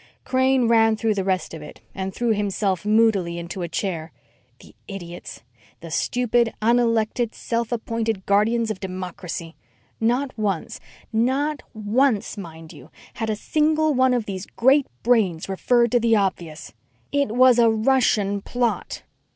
_ Crane ran through the rest of it and threw himself moodily into a chair. The idiots! The stupid unelected, self appointed guardians of democracy! Not once not once, mind you had a single one of these great brains referred to the obvious. It was a Russian plot!